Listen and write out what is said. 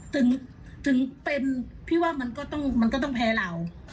ถึงเป็นพี่ว่ามันก็ต้องแพ้เรา